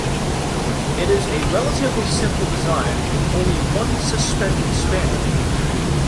It is a relatively simple design with only one suspended span.